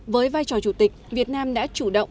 với vai trò chủ tịch việt nam đã chủ động